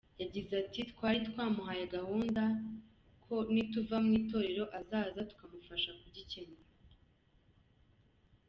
Yagize ati “Twari twamuhaye gahunda ko nituva mu Itorero azaza tukamufasha kugikemura.